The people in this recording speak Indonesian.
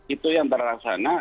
itu yang terlaksana